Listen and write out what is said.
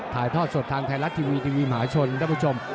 ถ่ายทอดสดทางไทยรัฐทีวีทีวีมหาชนท่านผู้ชม